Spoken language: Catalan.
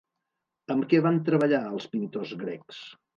Amb què van treballar els pintors grecs?